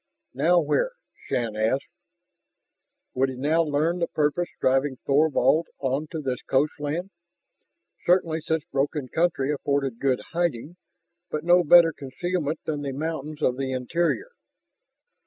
"Now where?" Shann asked. Would he now learn the purpose driving Thorvald on to this coastland? Certainly such broken country afforded good hiding, but no better concealment than the mountains of the interior.